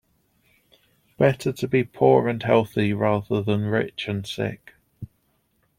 Better to be poor and healthy rather than rich and sick.